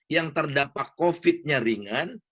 yang terdampak covid nya ringan